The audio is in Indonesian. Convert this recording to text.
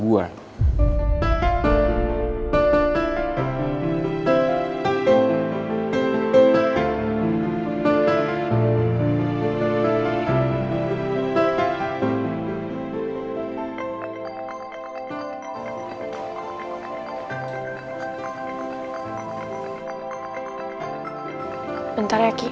putri yang selalu nyemangatin gue